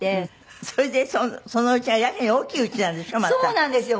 そうなんですよ。